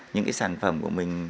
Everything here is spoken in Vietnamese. những sản phẩm của mình